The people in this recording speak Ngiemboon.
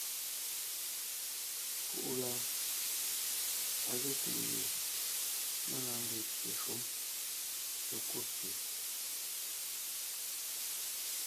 Púʼu la, á zɛ́te ngie mé lɔɔn ńgee pye shúm é kúbte.